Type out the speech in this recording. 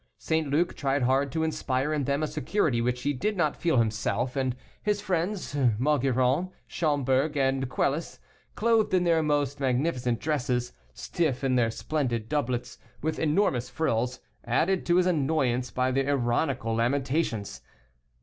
St. Luc tried hard to inspire in them a security which he did not feel himself; and his friends, Maugiron, Schomberg, and Quelus, clothed in their most magnificent dresses, stiff in their splendid doublets, with enormous frills, added to his annoyance by their ironical lamentations.